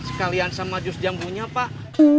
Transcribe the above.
sekalian sama jus jambunya pak